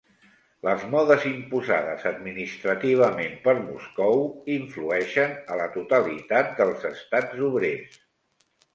Les modes imposades administrativament per Moscou influeixen a la totalitat dels Estats obrers.